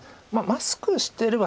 マスクしてれ